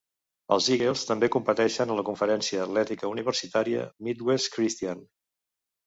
Els Eagles també competeixen a la conferència atlètica universitària Midwest Christian.